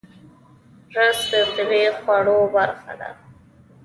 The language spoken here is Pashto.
رس د طبیعي خواړو برخه ده